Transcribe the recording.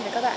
với các bạn